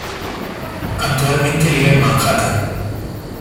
Actualmente vive en Manhattan.